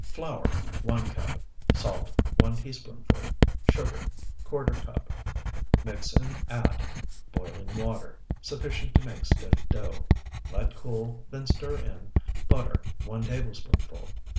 Flour, 1 cup. Salt, 1 teaspoonful. Sugar, ¼ cup. Mix and add Boiling water. sufficient to make stiff dough; let cool, then stir in Butter, 1 tablespoonful.